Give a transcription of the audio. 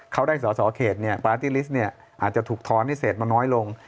เขาได้สอสอเขตปาร์ตี้ลิสต์อาจจะถูกทอนให้เศษมาน้อยลง